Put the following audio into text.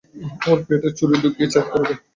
ওর পেটে ছুড়ি ঢুকিয়ে ছেদ করে দে!